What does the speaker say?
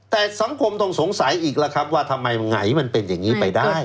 แต่สังคมต้องสงสัยอีกแล้วครับว่าทำไมไงมันเป็นอย่างนี้ไปได้